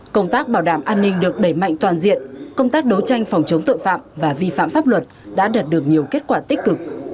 công tác bảo đảm an ninh được đẩy mạnh toàn diện công tác đấu tranh phòng chống tội phạm và vi phạm pháp luật đã đạt được nhiều kết quả tích cực